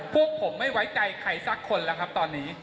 พวกผมไม่ไว้ใจใครสักคนแล้วครับตอนนี้